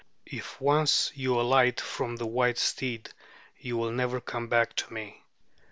If once you alight from the white steed, you will never come back to me.